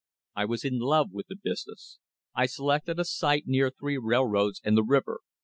I was in 1 love with the business. I selected a site near three railroads and the river.